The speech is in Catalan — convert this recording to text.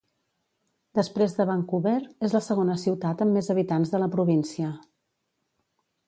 Després de Vancouver, és la segona ciutat amb més habitants de la província.